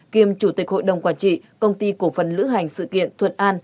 kiêm chủ tịch hội đồng quản trị công ty cổ phần lữ hành sự kiện thuận an